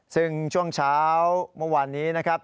ซึ่งช่วงเช้าเมื่อวานนี้นะครับ